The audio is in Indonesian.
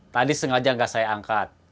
tadi sengaja nggak saya angkat